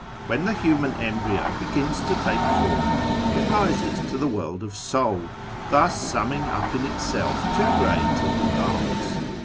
When the human embryo begins to take form it rises to the World of Soul, thus summing up in itself two grades of the Arcs.